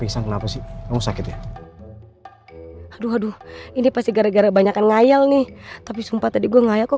sampai jumpa di video selanjutnya